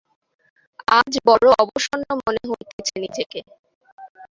আজ বড় অবসন্ন মনে হইতেছে নিজেকে।